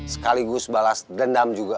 sekaligus balas dendam juga